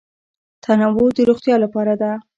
تنوع د روغتیا لپاره ده.